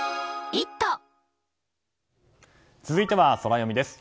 続いては、ソラよみです。